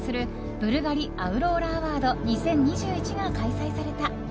ブルガリアウローラアワード２０２１が開催された。